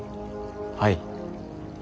はい。